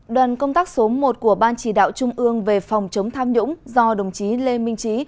đoàn công tác số một của ban chỉ đạo trung ương về phòng chống tham nhũng do đồng chí lê minh trí